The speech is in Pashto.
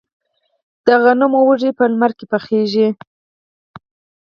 د غنمو وږي په لمر کې پخیږي.